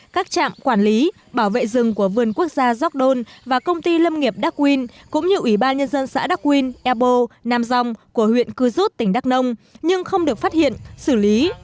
các trạm quản lý bảo vệ rừng của vườn quốc gia gióc đôn và công ty lâm nghiệp đắc quyên cũng như ủy ban nhân dân xã đắk quyên epo nam dông của huyện cư rút tỉnh đắk nông nhưng không được phát hiện xử lý